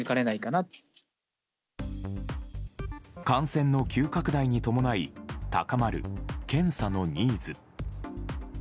感染の急拡大に伴い高まる検査のニーズ。